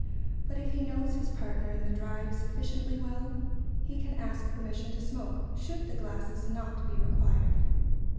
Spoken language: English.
But if he knows his partner in the drive sufficiently well, he can ask permission to smoke, should the glasses not be required.